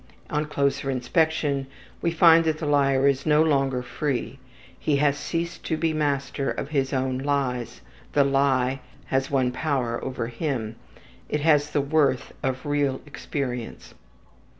On closer inspection we find that the liar is no longer free, he has ceased to be master of his own lies, the lie has won power over him, it has the worth of a real experience.